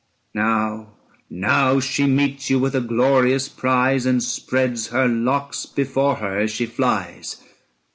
Now, now she meets you with a glorious prize 260 And spreads her locks before her as she flies.